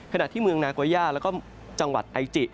ขณะที่เมืองนาโกย่าแล้วก็จังหวัดไอจิ